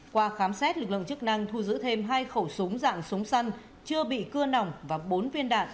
qua khám xét lực lượng chức năng thu giữ thêm hai khẩu súng dạng súng săn chưa bị cưa nòng và bốn viên đạn